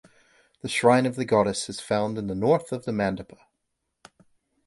The shrine of the Goddess is found in the north of the mandapa.